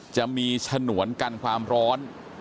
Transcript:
จะมีฉนวนกันความร้อน